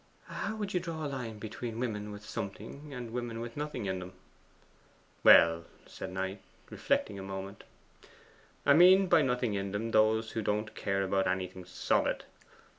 'How would you draw the line between women with something and women with nothing in them?' 'Well,' said Knight, reflecting a moment, 'I mean by nothing in them those who don't care about anything solid.